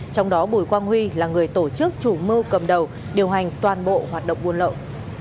trong đó bùi quang huy là người tổ chức chủ mưu cầm đầu điều hành toàn bộ hoạt động buôn lậu